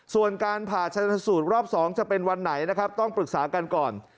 ส่วนการผ่าชนสูตรรอบ๒จะเป็นวันไหนนะครับต้องปรึกษากันก่อน